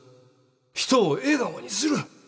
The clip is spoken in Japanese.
人を笑顔にする。